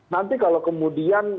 nanti kalau kemudian